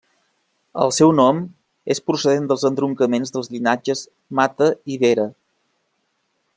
El seu nom és procedent dels entroncaments dels llinatges Mata i Vera.